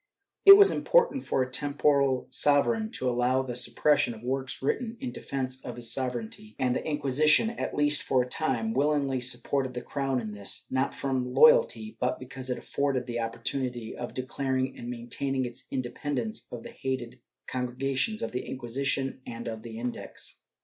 It was impossible for a temporal sovereign to allow the suppression of works written in defence of his sover eignty, and the Inquisition, at least for a time, willingly supported the crown in this, not from loyalty, but because it afforded the opportunity of declaring and maintaining its independence of the hated Congregations of the Inquisition and of the Index.